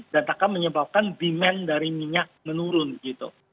dan akan menyebabkan demand dari minyak menurun gitu